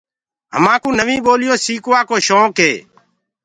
همآ ڪوُ نوينٚ ٻوليونٚ سيڪوآ ڪو شوڪ هي۔